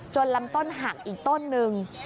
ลำต้นหักอีกต้นนึง